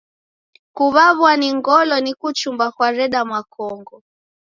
Kuw'aw'a ni ngolo kuchumba kwareda makongo.